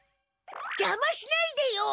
じゃましないでよ！